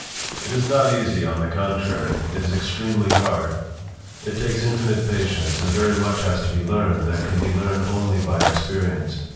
p> It is not easy. On the contrary, it is extremely hard. It takes infinite patience, and very much has to be learned that can be learned only by experience.